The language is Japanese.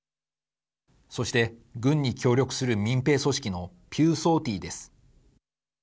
そして、軍に協力する民兵組織のピューソーティーです。